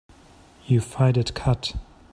You fight it cut.